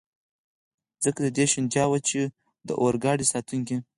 ځکه د دې شونتیا وه، چې د اورګاډي ساتونکي.